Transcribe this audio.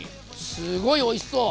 すごいおいしそう！